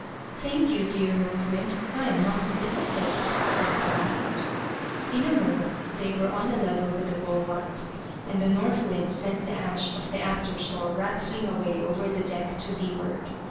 "Thank you, dear North Wind. I am not a bit afraid," said Diamond. In a moment they were on a level with the bulwarks, and North Wind sent the hatch of the after store rattling away over the deck to leeward.